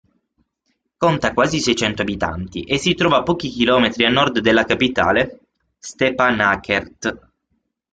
Conta quasi seicento abitanti e si trova pochi chilometri a nord della capitale Step'anakert.